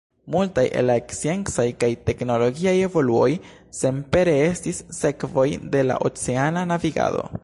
Multaj el la sciencaj kaj teknologiaj evoluoj senpere estis sekvoj de la oceana navigado.